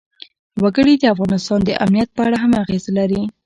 وګړي د افغانستان د امنیت په اړه هم اغېز لري.